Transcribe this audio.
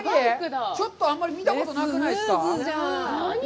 ちょっとあんまり見たことなくないですか？